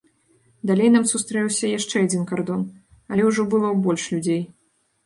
Далей нам сустрэўся яшчэ адзін кардон, але ўжо было больш людзей.